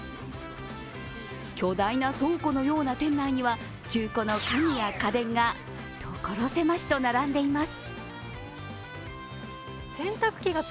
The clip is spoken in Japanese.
巨大な倉庫のような店内には中古の家具や家電が所狭しと並んでいます。